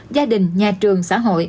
gia đình nhà trường xã hội